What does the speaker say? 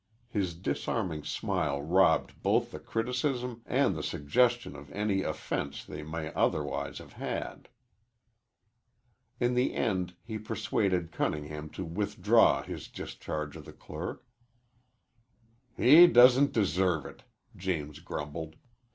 His disarming smile robbed both the criticism and the suggestion of any offense they might otherwise have had. In the end he persuaded Cunningham to withdraw his discharge of the clerk. "He doesn't deserve it," James grumbled.